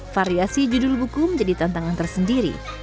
variasi judul buku menjadi tantangan tersendiri